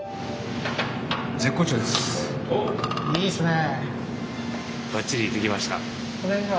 いいですね。